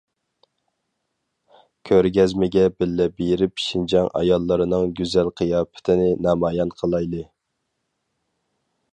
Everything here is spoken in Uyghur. كۆرگەزمىگە بىللە بېرىپ، شىنجاڭ ئاياللىرىنىڭ گۈزەل قىياپىتىنى نامايان قىلايلى.